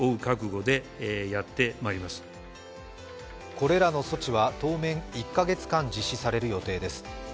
これらの措置は当面１カ月間実施される予定です。